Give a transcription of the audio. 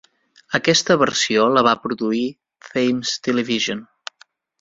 Aquesta versió la va produir Thames Television.